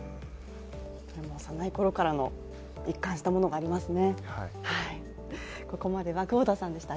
幼いころからの一貫したものがありますね。